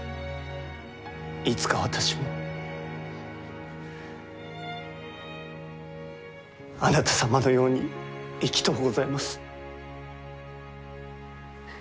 いつか私もあなた様のように生きとうございます。